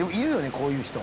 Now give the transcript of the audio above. こういう人。